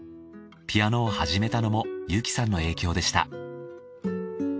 ピアノを始めたのも由希さんの影響でした。